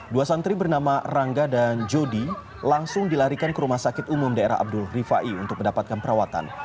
dua santri bernama rangga dan jody langsung dilarikan ke rumah sakit umum daerah abdul rifai untuk mendapatkan perawatan